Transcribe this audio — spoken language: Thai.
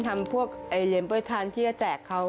ทำพวกเรียนบดทานที่จะแจ้งเขา